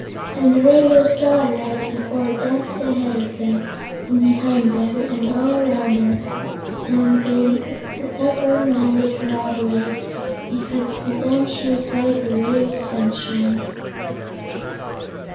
And the Rainbow's Daughter, as before, danced ahead of them and behind them and all around them, and they never minded her odd ways, because to them she was like a ray of sunshine.